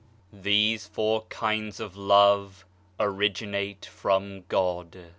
These four kinds of love originate from God.